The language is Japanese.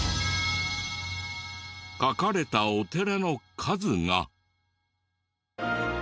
書かれたお寺の数が。